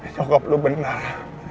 nyokap lo benar